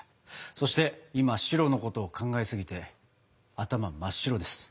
そして今「白」のことを考えすぎて頭が真っ白です。